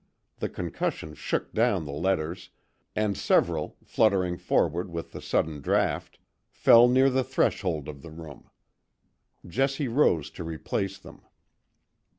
The concussion shook down the letters, and several, fluttering forward with the sudden draught, fell near the threshold of the room. Jessie rose to replace them.